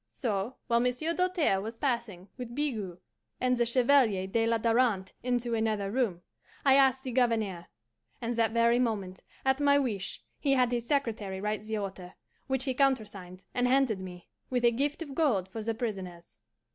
So, while Monsieur Doltaire was passing with Bigot and the Chevalier de la Darante into another room, I asked the Governor; and that very moment, at my wish, he had his secretary write the order, which he countersigned and handed me, with a gift of gold for the prisoners.